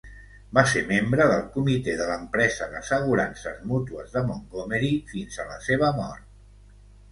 Va ser membre del comitè de l'Empresa d'Assegurances Mútues de Montgomery fins a la seva mort.